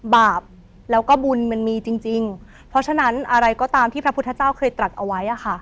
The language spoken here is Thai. บาปแล้วก็บุญมันมีจริงจริงเพราะฉะนั้นอะไรก็ตามที่พระพุทธเจ้าเคยตรักเอาไว้